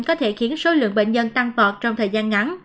có thể khiến số lượng bệnh nhân tăng vọt trong thời gian ngắn